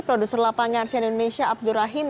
produser lapangan sian indonesia abdur rahim